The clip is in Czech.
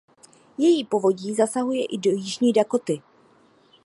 Její povodí zasahuje i do Jižní Dakoty.